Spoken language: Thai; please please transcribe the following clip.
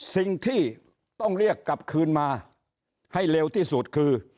สิ่งที่ต้องเรียกกลับคืนมาให้เร็วที่สุดคือ